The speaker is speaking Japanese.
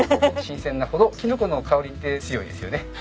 新鮮なほどきのこの香りって強いですよね。